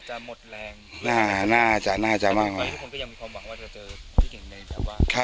อาจจะหมดแรงน่าจะน่าจะมากมากทุกคนก็ยังมีความหวังว่าจะเจอพี่เก่งในชาวะ